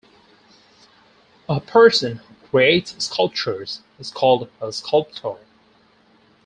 A person who creates sculptures is called a "sculptor".